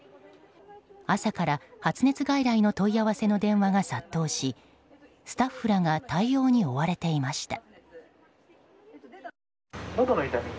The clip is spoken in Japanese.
朝から発熱外来の問い合わせの電話が殺到しスタッフらが対応に追われていました。